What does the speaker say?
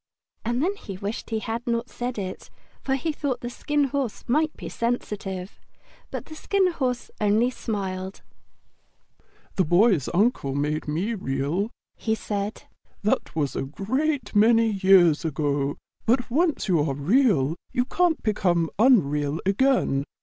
And then he wished he had not said it, for he thought the Skin Horse might be sensitive. But the Skin Horse only smiled. The Skin Horse Tells His Story "The Boy's Uncle made me Real," he said. "That was a great many years ago; but once you are Real you can't become unreal again.